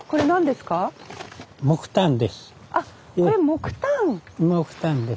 木炭です。